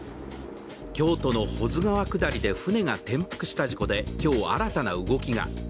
京都の保津川下りで舟が転覆した事故で今日新たな動きが。